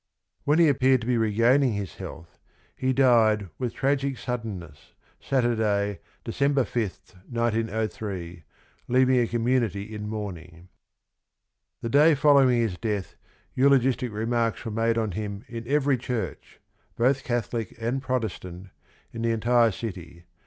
When he appeared to be regaining his health he died with tragic suddenness Saturday, De cember 5, 1903, leaving a community in mourning. The day following his death eulogistic re marks were made on him in every church, both Catholic and Protestant, in the entire city.